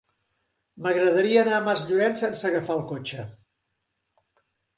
M'agradaria anar a Masllorenç sense agafar el cotxe.